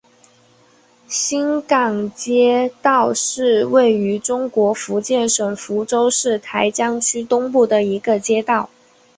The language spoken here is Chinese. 新港街道是位于中国福建省福州市台江区东部的一个街道。